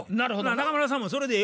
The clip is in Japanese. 中村さんもそれでええわ。